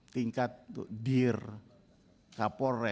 tingkat dir kapolres